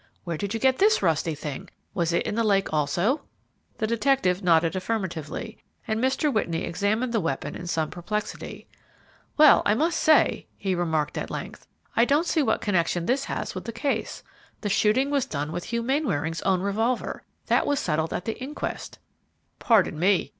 "Where did you get this rusty thing? Was it in the lake, also?" The detective nodded affirmatively, and Mr. Whitney examined the weapon in some perplexity. "Well, I must say," he remarked at length, "I don't see what connection this has with the case. The shooting was done with Hugh Mainwaring's own revolver; that was settled at the inquest " "Pardon me!